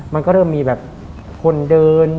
มันก็เริ่มมีแบบคนเดิน